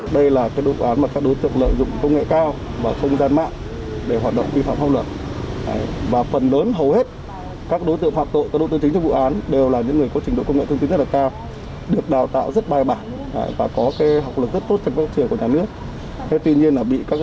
đây là đối tượng lợi dụng công nghệ cao và không gian mạng